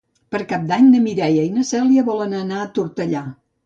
Per Cap d'Any na Mireia i na Cèlia volen anar a Tortellà.